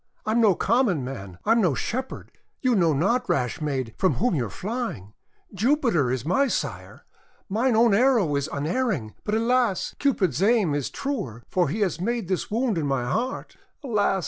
I am no common man! I am no Shepherd! You know not, rash maid, from whom you are flying! Jupiter is my sire. Mine own arrow is unerring; but, alas! Cupid's aim is truer, for he has made this wound in my heart! Alas!